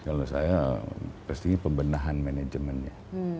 kalau saya pasti pembenahan manajemennya